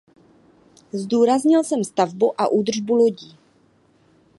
Zdůraznil jsem stavbu a údržbu lodí.